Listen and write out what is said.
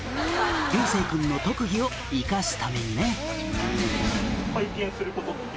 「流星君の特技を生かすためにね」